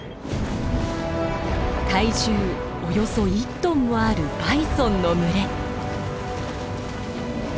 体重およそ１トンもあるバイソンの群れ。